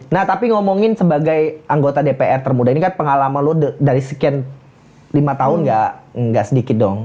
nah tapi ngomongin sebagai anggota dpr termuda ini kan pengalaman lo dari sekian lima tahun gak sedikit dong